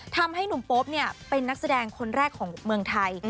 ทำให้หนุ่มโป๊ปเป็นนักแสดงคนแรกของเมืองไทย